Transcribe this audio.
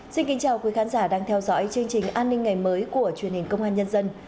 xin kính chào quý khán giả đang theo dõi chương trình an ninh ngày mới của truyền hình công an nhân dân